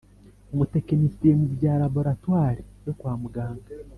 Umutekinisiye mu bya Laboratwari yo kwa muganga